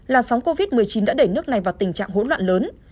làn sóng covid một mươi chín đã đẩy nước này vào tình trạng hỗn loạn lớn